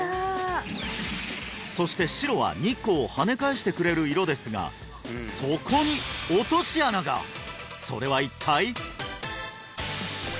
そして白は日光を跳ね返してくれる色ですがそこにそれは一体？